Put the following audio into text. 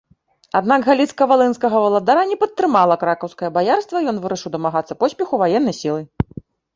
Аднак галіцка-валынскага валадара не падтрымала кракаўскае баярства і ён вырашыў дамагацца поспеху ваеннай сілай.